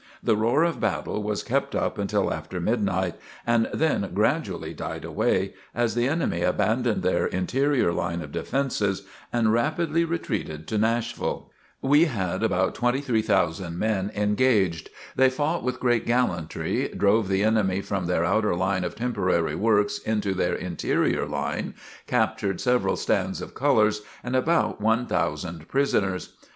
The roar of battle was kept up until after midnight and then gradually died away, as the enemy abandoned their interior line of defences and rapidly retreated to Nashville. We had about 23,000 men engaged. They fought with great gallantry, drove the enemy from their outer line of temporary works into their interior line, captured several stands of colors and about one thousand prisoners.